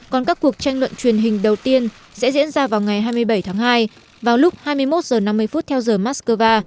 còn các cuộc tranh luận truyền hình đầu tiên sẽ diễn ra vào ngày hai mươi bảy tháng hai vào lúc hai mươi một h năm mươi theo giờ moscow